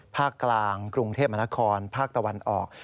ภาคกลางกรุงเทพมนาคอนภาคตะวันออก